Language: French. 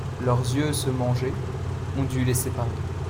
Leurs yeux se mangeaient, on dut les séparer.